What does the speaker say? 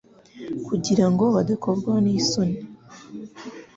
kugira ngo badakorwa n isoni